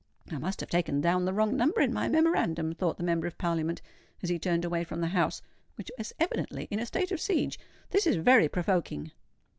"I must have taken down the wrong number in my memorandum," thought the Member of Parliament, as he turned away from the house, which was evidently in a state of siege. "This is very provoking!"